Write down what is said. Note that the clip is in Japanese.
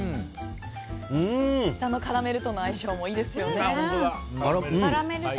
下のカラメルとの相性もいいですよね。